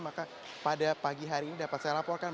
maka pada pagi hari ini dapat saya laporkan